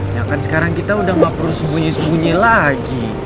ya kan sekarang kita udah gak perlu sembunyi sembunyi lagi